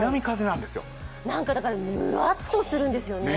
なんかだからムワッとするんですよね。